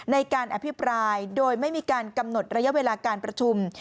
ในการอภิปรายโดยไม่มีการกำหนดระยะเวลาการประชุม